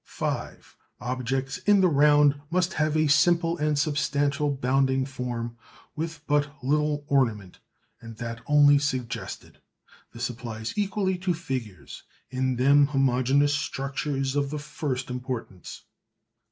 (5) Objects in the round must have a simple and substantial bounding form with but little ornament, and that only suggested. This applies equally to figures. In them homogeneous structure is of the first importance.